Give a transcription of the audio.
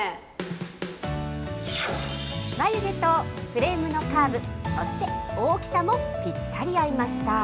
フレームのカーブ、そして大きさもぴったり合いました。